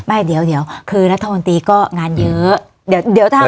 ไม่เดี๋ยวคือนัฐธรรมนัฐก็งานเยอะ